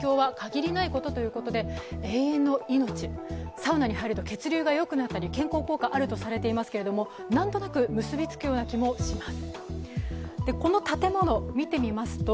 サウナに入ると血流がよくなったり、健康効果があるといわれていますが、なんとなく結びつくような気がします。